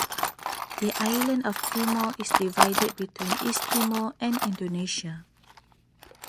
The island of Timor is divided between East Timor and Indonesia.